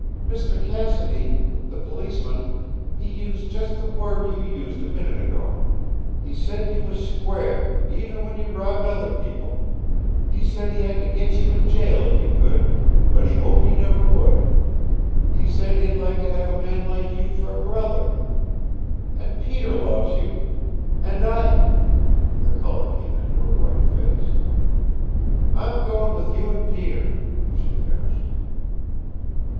"Mister Cassidy the policeman he used just the word you used a minute ago. He said you was square, even when you robbed other people. He said he had to get you in jail if he could, but he hoped he never would. He said he'd like to have a man like you for a brother. And Peter loves you. And I " The color came into her white face. "I'm goin' with you and Peter," she finished.